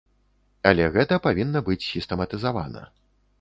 Але гэта павінна быць сістэматызавана.